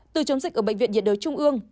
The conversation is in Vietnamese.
từ chống dịch ở bệnh viện nhiệt đới trung ương